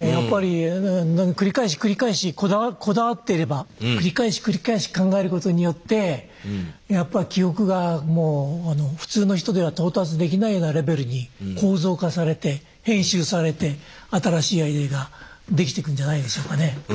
やっぱり繰り返し繰り返しこだわっていれば繰り返し繰り返し考えることによってやっぱ記憶がもう普通の人では到達できないようなレベルに構造化されて編集されて新しいアイデアができてくんじゃないでしょうかね。